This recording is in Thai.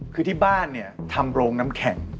คือที่บ้านเนี่ยทำโรงน้ำแข็ง